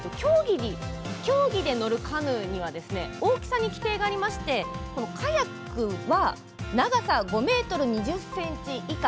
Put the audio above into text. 競技で乗るカヌーには大きさに規定がありましてカヤックは長さ５ｍ２０ｃｍ以下。